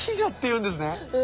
うん。